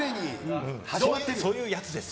そういうやつです。